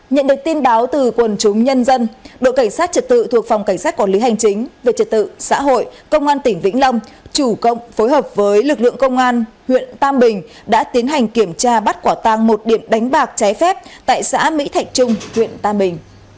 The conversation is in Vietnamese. nhận được tin báo từ quần chúng nhân dân đội cảnh sát trật tự thuộc phòng cảnh sát quản lý hành chính về trật tự xã hội công an tỉnh vĩnh long chủ công phối hợp với lực lượng công an huyện tam bình đã tiến hành kiểm tra bắt quả tang một điện đánh bạc trái phép tại xã mỹ thạch trung huyện tam bình